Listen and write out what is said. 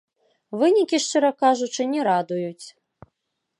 Вынікі, шчыра кажучы, не радуюць.